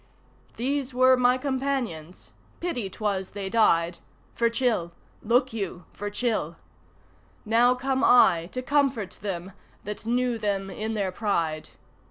These were my companions. Pity 'twas they died! (For Chil! Look you, for Chil!) Now come I to comfort them that knew them in their pride.